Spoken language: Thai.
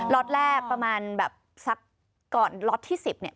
ล็อตแรกประมาณแบบสักก่อนล็อตที่๑๐เนี่ย